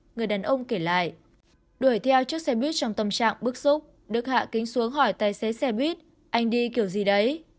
người đàn ông kể lại đuổi theo chiếc xe buýt trong tâm trạng bức xúc đức hạ kính xuống hỏi tài xế xe buýt anh đi kiểu gì đấy